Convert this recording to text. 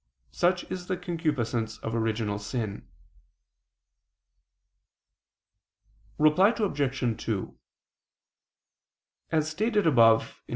Such is the concupiscence of original sin. Reply Obj. 2: As stated above (Q.